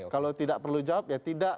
kalau tidak perlu jawab ya tidak